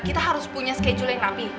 kita harus punya schedule yang rapi